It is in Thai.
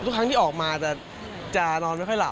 ทุกครั้งที่ออกมาจะนอนไม่ค่อยหลับ